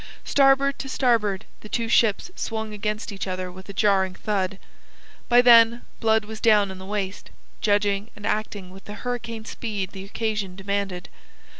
Starboard to starboard the two ships swung against each other with a jarring thud. By then Blood was down in the waist, judging and acting with the hurricane speed the occasion demanded.